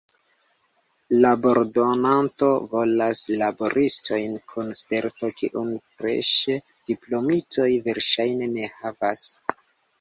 Labordonanto volas laboristojn kun sperto, kiun freŝe diplomitoj verŝajne ne havas.